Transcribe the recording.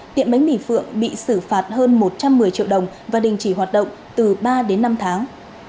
tiệm bánh mì phượng bị xử phạt hơn một trăm một mươi triệu đồng và đình chỉ hoạt động từ ba đến năm tháng